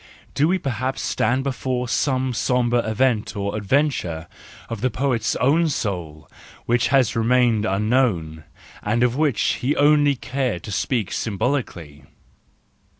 Do we perhaps stand before some sombre event or adventure of the poet's own soul, which has remained unknown, and of which he only cared to speak symbolically?